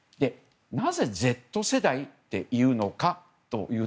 なぜ、Ｚ世代っていうのか。